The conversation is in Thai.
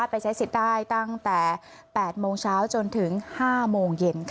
ตั้งแต่๘โมงเช้าจนถึง๕โมงเย็นค่ะ